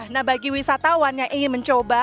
nah bagi wisatawan yang ingin mencoba